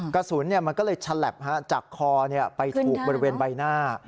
กระสุนมันก็เลยฉลับจากคอไปถูกบริเวณใบหน้า